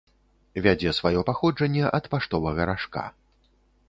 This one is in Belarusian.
Вядзе сваё паходжанне ад паштовага ражка.